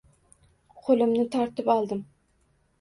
Qo`limni tortib oldim